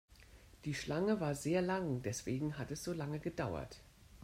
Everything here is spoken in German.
Die Schlange war sehr lang, deswegen hat es so lange gedauert.